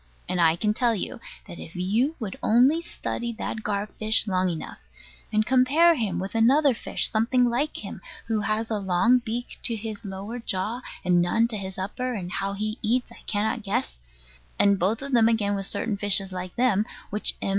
And I can tell you, that if you would only study that gar fish long enough, and compare him with another fish something like him, who has a long beak to his lower jaw, and none to his upper and how he eats I cannot guess, and both of them again with certain fishes like them, which M.